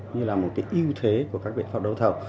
như là một cái ưu thế của các biện pháp đấu thầu